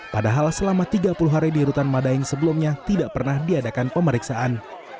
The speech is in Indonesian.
padahal selama tiga puluh hari di rutan madaeng sebelumnya tidak pernah diadakan pemeriksaan